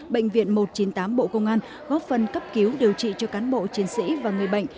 bệnh viện một trăm chín mươi tám bộ công an góp phần cấp cứu điều trị cho cán bộ chiến sĩ và người bệnh